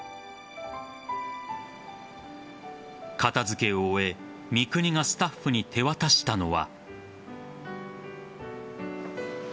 片付けを終え三國がスタッフに手渡したのは。